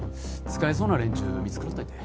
使えそうな連中見繕っといて。